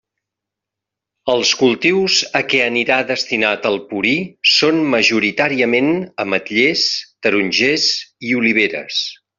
Els cultius a què anirà destinat el purí són majoritàriament: ametlers, tarongers i oliveres.